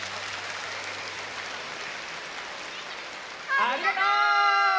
ありがとう！